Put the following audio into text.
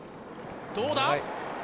どうだ？